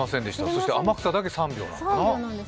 そして天草だけ３秒なんだ。